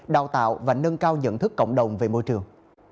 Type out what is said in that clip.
đào tạo và nâng cao nhận thức cộng đồng về môi trường